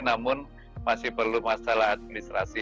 namun masih perlu masalah administrasi